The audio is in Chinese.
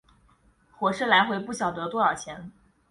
火车来回不晓得多少钱